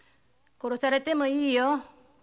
殺されてもいいよ。